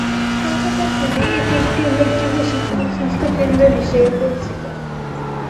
কলকাতার পরে এটি একটি উল্লেখযোগ্য শিক্ষা ও স্বাস্থ্য কেন্দ্র হিসাবে পরিচিত।